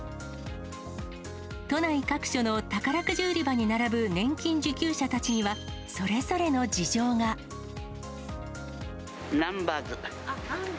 都内各所の宝くじ売り場に並ぶ年金受給者たちには、それぞれの事ナンバーズ。